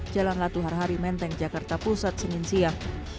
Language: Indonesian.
jalan latuhar hari menteng jakarta pusat senin siang